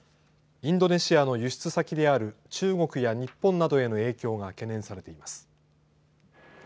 インドネシアの輸出先である中国や日本などへの影響が懸念されています。